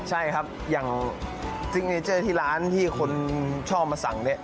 ใช่ครับอย่างซิกเนเจอร์ที่ร้านที่คนชอบมาสั่งเนี่ย